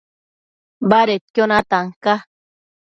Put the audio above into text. Badedquio natan ca